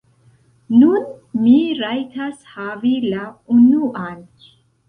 Nun mi rajtas havi la unuan...